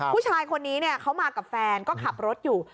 ผู้ชายคนนี้เขามากับแฟนก็ขับรถอยู่